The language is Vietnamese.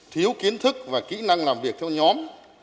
thiếu kiến thức và kỹ năng làm việc theo nhóm